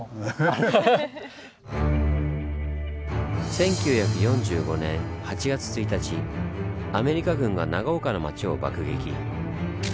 １９４５年８月１日アメリカ軍が長岡の町を爆撃。